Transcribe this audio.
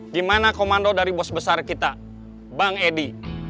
gimana komando dari bos besar kita bang edi